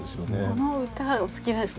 この歌お好きなんですか？